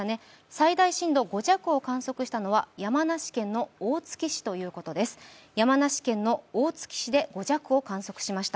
最大震度５弱を観測したのは山梨県の大月市です。